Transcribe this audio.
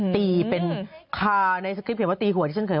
ตีเป็นค่าในสคริปที่เห็นว่าตีหวย